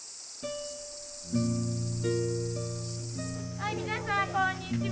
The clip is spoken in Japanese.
はい皆さんこんにちは。